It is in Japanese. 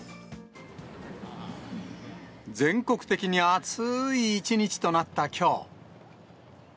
全国的に暑い一日となったきょう。